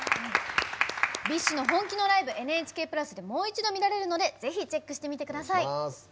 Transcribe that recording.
ＢｉＳＨの本気のライブ「ＮＨＫプラス」でもう一度見られるのでぜひチェックしてみてください。